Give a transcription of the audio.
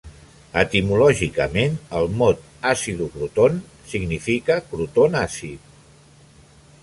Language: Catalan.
Etimològicament, el mot "Acidocroton" significa "cròton àcid".